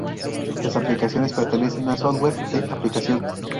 Las aplicaciones pertenecen al software de aplicación.